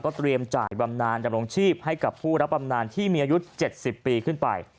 เตรียมจ่ายบำนานดำรงชีพให้กับผู้รับบำนานที่มีอายุ๗๐ปีขึ้นไป